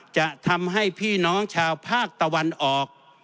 จะทำให้พี่น้องชาวภาคตะวันออก